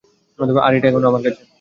আর এটা এখন আমার কাছে।